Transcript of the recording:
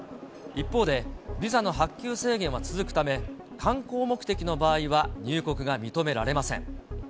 一方で、ビザの発給制限は続くため、観光目的の場合は入国が認められません。